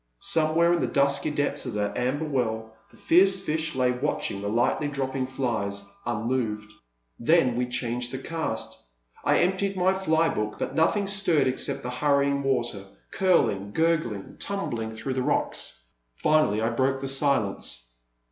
Somewhere in the dusky depths of that amber well the fierce fish lay watching the lightly dropping flies, unmoved. Then we changed the cast; I emptied my fly book, but nothing stirred except the hurrying water, curling, gurgling, tumbling through the rocks. Finally I broke the silence.